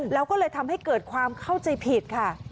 แล้วก็เลยทำให้เกิดความเข้าใจผิดค่ะ